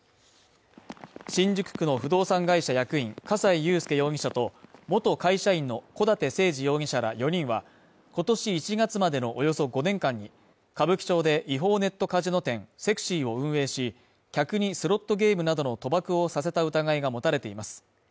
新宿区の不動産会社役員葛西悠介容疑者と、元会社員の小舘誠治容疑者ら４人は今年１月までのおよそ５年間に、歌舞伎町で違法ネットカジノＳＥＸＹを運営し客にスロットゲームなどの賭博をさせた疑いが持たれています。